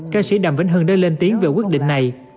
ca sĩ đàm vĩnh hưng đã lên tiếng về quyết định này